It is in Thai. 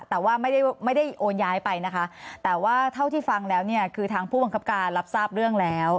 แต่ว่าไม่ได้ไม่ได้โอนย้ายไปนะคะแต่ว่าเท่าที่ฟังแล้วเนี่ยคือทางผู้บังคับการรับทราบเรื่องแล้ว